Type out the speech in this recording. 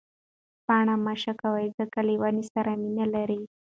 پاڼه مه شکوئ ځکه له ونې سره مینه لري.